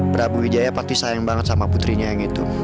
prabu wijaya pasti sayang banget sama putrinya yang itu